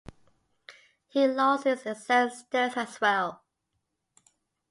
He lauds his ancestors as well.